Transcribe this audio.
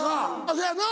せやな？